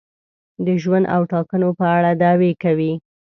د ژوند او ټاکنو په اړه دعوې کوي.